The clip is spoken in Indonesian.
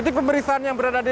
kepolisian kampung jawa barat